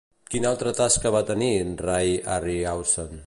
Quina altra tasca va tenir Ray Harryhausen?